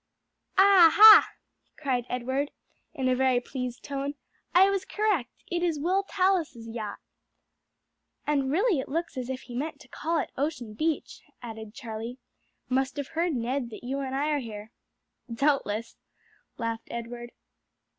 '" "Ah, ha!" cried Edward in a very pleased tone, "I was correct; it is Will Tallis's yacht." "And really it looks as if he meant to call at Ocean Beach," added Charlie. "Must have heard, Ned, that you and I are here." "Doubtless," laughed Edward.